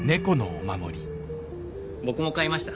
僕も買いました。